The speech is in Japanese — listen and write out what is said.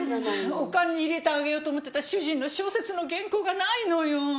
お棺に入れてあげようと思ってた主人の小説の原稿がないのよ！